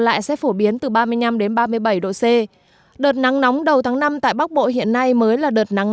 lại sẽ phổ biến từ ba mươi năm đến ba mươi bảy độ c đợt nắng nóng đầu tháng năm tại bắc bộ hiện nay mới là đợt nắng